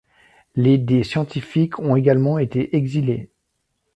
Les des scientifiques ont également été exilés.